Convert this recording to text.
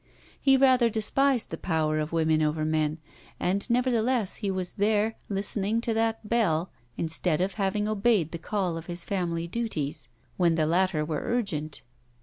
He rather despised the power of women over men: and nevertheless he was there, listening to that Bell, instead of having obeyed the call of his family duties, when the latter were urgent.